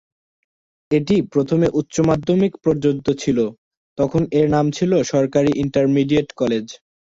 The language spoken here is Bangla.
এটি প্রথমে উচ্চ মাধ্যমিক পর্যন্ত ছিল, তখন এর নাম ছিল সরকারি ইন্টারমিডিয়েট কলেজ।